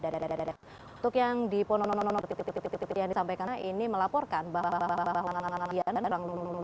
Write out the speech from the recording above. untuk yang di ponono yang disampaikan ini melaporkan bahwa